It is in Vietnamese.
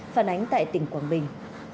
phản ánh tại tỉnh quảng bình